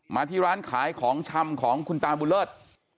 มาที่ร้านขายของชำของคุณตาบุญเลิศ